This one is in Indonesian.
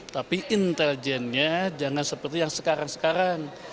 tapi intelijennya jangan seperti yang sekarang sekarang